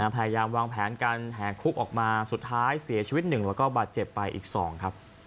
พยายามวางแผนการแห่คุกออกมาสุดท้ายเสียชีวิต๑แล้วก็บาดเจ็บไปอีก๒ครับ